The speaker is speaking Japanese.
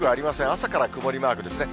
朝から曇りマークですね。